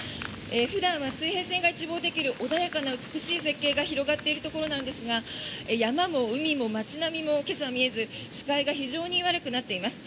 普段は水平線が一望できる穏やかな美しい絶景が広がっているところなんですが山も海も街並みも今朝、見えず視界が非常に悪くなっています。